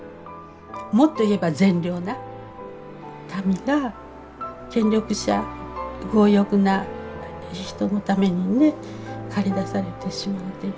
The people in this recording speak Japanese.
もっと言えば善良な民が権力者強欲な人のためにね駆り出されてしまう。